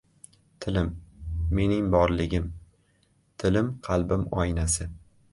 • Tilim — mening borligim, tilim — qalbim oynasi.